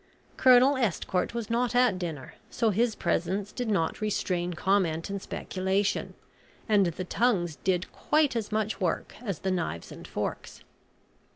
Colonel Estcourt was not at dinner, so his presence did not restrain comment and speculation, and the tongues did quite as much work as the knives and forks.